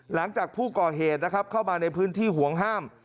หลังจากผู้ก่อเหตุนะครับเข้ามาในพื้นที่ห่วงห้าม